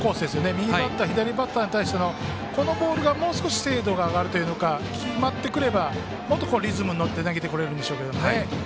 右バッター左バッターに対してのこのボールがもう少し精度が上がるというか決まってくればもっとリズムに乗って投げてくれるんでしょうけどね。